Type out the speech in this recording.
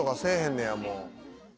ねやもう。